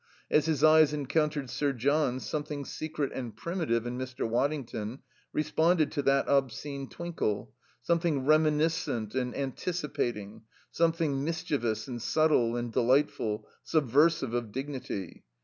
As his eyes encountered Sir John's something secret and primitive in Mr. Waddington responded to that obscene twinkle; something reminiscent and anticipating; something mischievous and subtle and delightful, subversive of dignity.